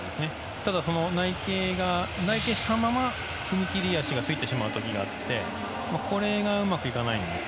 ただ、内傾したまま踏切足がついてしまう時があってこれがうまくいかないんです。